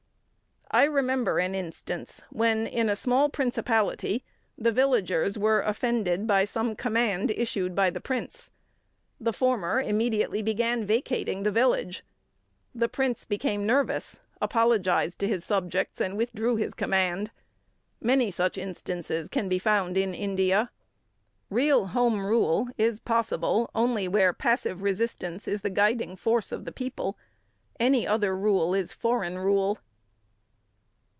I remember an instance when, in a small principality, the villagers were offended by some command issued by the prince. The former immediately began vacating the village. The prince became nervous, apologised to his subjects and withdrew his command. Many such instances can be found in India. Real home rule is possible only where passive resistance is the guiding force of the people. Any other rule is foreign rule.